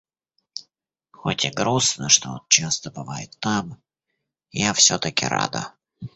Хоть и грустно, что он часто бывает там, я всё-таки рада.